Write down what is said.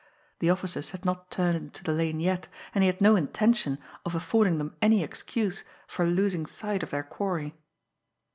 The officers had not turned into the lane yet, and he had no intention of affording them any excuse for losing sight of their quarry!